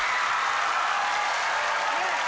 ねえ。